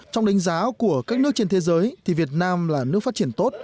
trong đánh giá của các nước trên thế giới thì việt nam là nước phát triển tốt